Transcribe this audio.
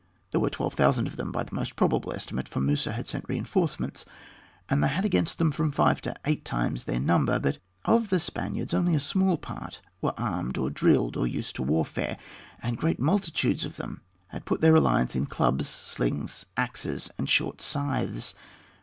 There were twelve thousand of them by the most probable estimate, for Musa had sent reinforcements, and they had against them from five to eight times their number. But of the Spaniards only a small part were armed or drilled, or used to warfare, and great multitudes of them had to put their reliance in clubs, slings, axes, and short scythes.